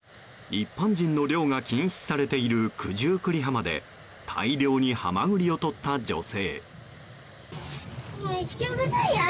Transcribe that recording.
一般人の漁が禁止されている九十九里浜で大量にハマグリをとった女性。